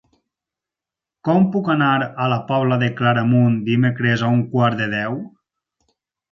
Com puc anar a la Pobla de Claramunt dimecres a un quart de deu?